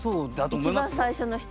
一番最初の人は。